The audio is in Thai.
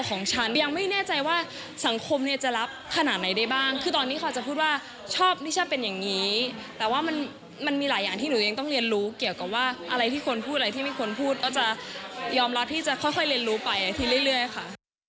ก็จะเรียนรู้ไปอย่างนี้เรื่อยค่ะ